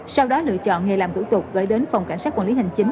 sau đó lựa chọn nghề làm thủ tục gửi đến phòng cảnh sát quản lý hành chính